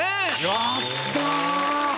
やった！